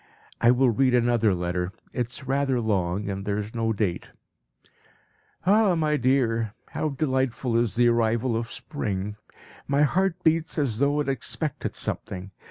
I will read another letter; it is rather long and there is no date. "Ah, my dear, how delightful is the arrival of spring! My heart beats as though it expected something.